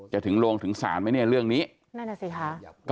จะถึงลงถึงสารไม่แน่เรื่องนี้นั่นแหละสิค่ะ